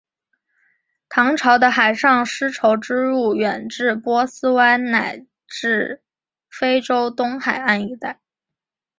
唐朝的海上丝绸之路远至波斯湾乃至非洲东海岸一带。